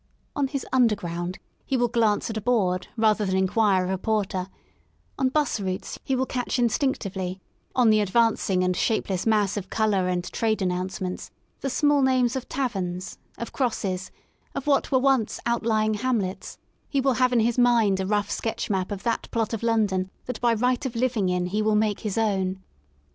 On his Underground " he will glance at a board rather than inquire of a porter; on *b US routes he will catch instinctively, on the advanc ing and shapeless mass of colour and trade announce ments, the small names of taverns, of Crosses, of what were once outlying hamlets; he will have in his mind a rough sketch map of that plot of London that by right of living in he will make his own.